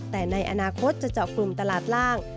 แต่ในอนาคตจะเจาะกลุ่มตลาดล่าง